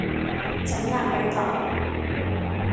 ฉันอยากไปต่อ